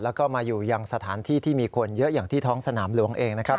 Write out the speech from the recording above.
แล้วก็มาอยู่ยังสถานที่ที่มีคนเยอะอย่างที่ท้องสนามหลวงเองนะครับ